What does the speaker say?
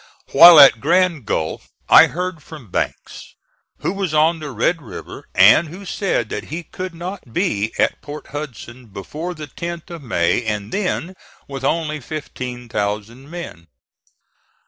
While at Grand Gulf I heard from Banks, who was on the Red River, and who said that he could not be at Port Hudson before the 10th of May and then with only 15,000 men.